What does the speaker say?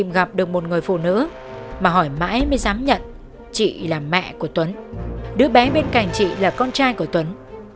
gặp được một người phụ nữ mà hỏi mãi mới dám nhận chị là mẹ của tuấn đứa bé bên cạnh chị là con trai của tuấn